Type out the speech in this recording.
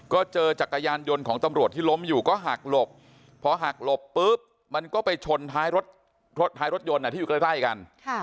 ก็เจอจักรยานยนต์ของตำรวจที่ล้มอยู่ก็หักหลบพอหักหลบปุ๊บมันก็ไปชนท้ายรถยนต์ที่อยู่ใกล้กัน